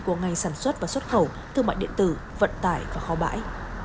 của ngành sản xuất và xuất khẩu thương mại điện tử vận tải và kho bãi